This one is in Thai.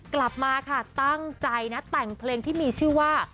กลับมาค่ะตั้งใจนะแต่งเพลงที่มีชื่อว่า